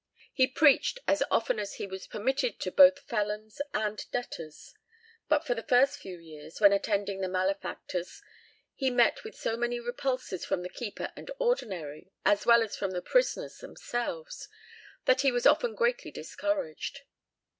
He preached as often as he was permitted to both felons and debtors. But for the first few years, when attending the malefactors, he met with so many repulses from the keeper and ordinary, as well as from the prisoners themselves, that he was often greatly discouraged.